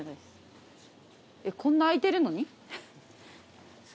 えっこんな開いてるのに？